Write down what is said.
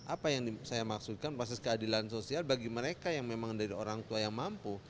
apa yang saya maksudkan proses keadilan sosial bagi mereka yang memang dari orang tua yang mampu